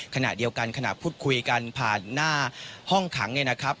ขณะเดียวกันขณะพูดคุยกันผ่านหน้าห้องขังเนี่ยนะครับ